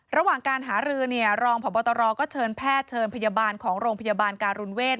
ระหว่างการหารือรองพบตรก็เชิญแพทย์เชิญพยาบาลของโรงพยาบาลการุณเวท